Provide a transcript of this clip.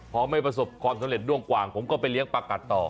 พอไม่ประสบความสำเร็จด้วงกว่างผมก็ไปเลี้ยงปลากัดต่อ